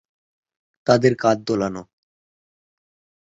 তাদের কাঁধ দোলালো।